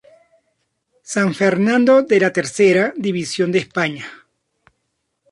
San Fernando de la Tercera División de España.